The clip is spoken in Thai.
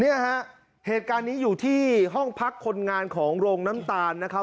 เนี่ยฮะเหตุการณ์นี้อยู่ที่ห้องพักคนงานของโรงน้ำตาลนะครับ